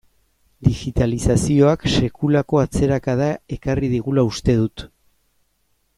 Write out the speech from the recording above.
Digitalizazioak sekulako atzerakada ekarri digula uste dut.